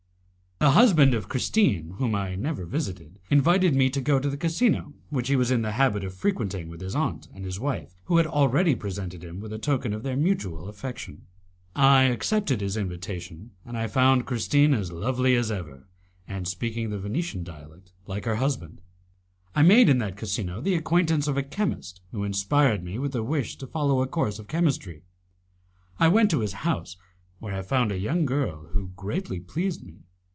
The husband of Christine, whom I never visited, invited me to go to the casino which he was in the habit of frequenting with his aunt and his wife, who had already presented him with a token of their mutual affection. I accepted his invitation, and I found Christine as lovely as ever, and speaking the Venetian dialect like her husband. I made in that casino the acquaintance of a chemist, who inspired me with the wish to follow a course of chemistry. I went to his house, where I found a young girl who greatly pleased me.